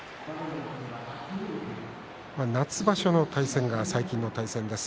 夏場所の対戦が最近の対戦です。